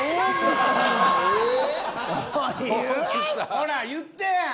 ほら言ったやん。